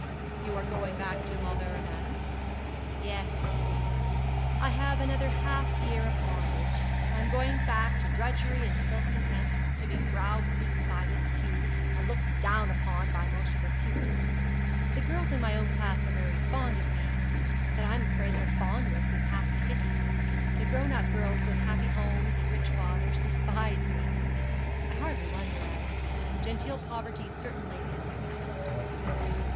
'You are going back to Mauleverer Manor?' 'Yes. I have another half year of bondage, I am going back to drudgery and self contempt, to be brow beaten by Miss Pew, and looked down upon by most of her pupils. The girls in my own class are very fond of me, but I'm afraid their fondness is half pity. The grown up girls with happy homes and rich fathers despise me. I hardly wonder at it. Genteel poverty certainly is contemptible.